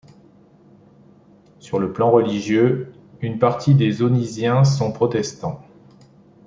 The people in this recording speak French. Sur le plan religieux, une partie des Aunisiens sont protestants.